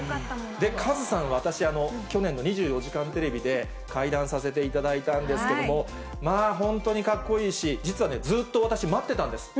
カズさんは、私、去年の２４時間テレビで対談させていただいたんですけれども、まあ本当にかっこいいし、実はね、ずっと私、待ってたんです。